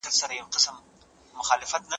ولي محنتي ځوان د پوه سړي په پرتله لوړ مقام نیسي؟